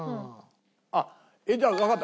あっじゃあわかった。